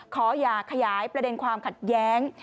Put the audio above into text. ขออย่าขยายประเด็นความขัดแย้ง